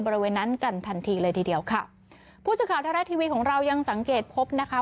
บริเวณนั้นกันทันทีเลยทีเดียวค่ะผู้สื่อข่าวไทยรัฐทีวีของเรายังสังเกตพบนะคะ